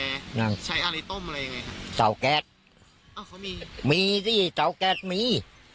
นั่งใช้อะไรต้มอะไรยังไงฮะเตาแก๊สอ้าวเขามีมีสิเตาแก๊สมี